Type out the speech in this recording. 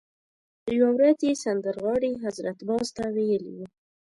یوه ورځ یې سندرغاړي حضرت باز ته ویلي وو.